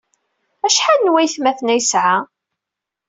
Acḥal n waytmaten ay yesɛa?